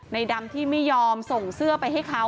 ในดำที่ไม่ยอมส่งเสื้อไปให้เขา